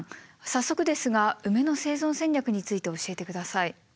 早速ですがウメの生存戦略について教えて下さい。